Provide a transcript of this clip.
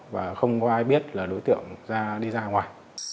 và không có ai biết là đối tượng ra đi ra ngoài